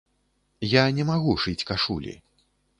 Я не магу шыць кашулі.